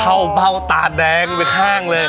เข้าเบาตาแดงคล้างเลย